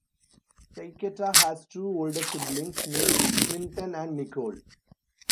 Siketa has two older siblings named Clinton and Nicole.